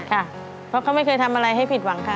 ค่ะเพราะเขาไม่เคยทำอะไรให้ผิดหวังค่ะ